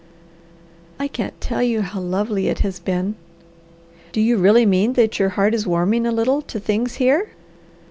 "I can't tell you how lovely it has been!" "Do you really mean that your heart is warming a little to things here?"